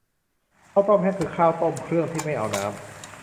ข้าวต้มแห้ง คือข้าวต้มเครื่องที่ไม่เอาน้ำ